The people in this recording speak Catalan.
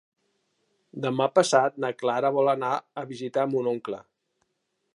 Demà passat na Clara vol anar a visitar mon oncle.